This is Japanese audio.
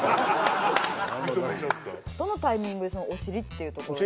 どのタイミングでお尻っていうところに。